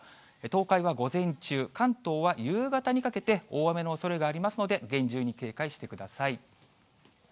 東海は午前中、関東は夕方にかけて、大雨のおそれがありますので、厳重に警戒してください。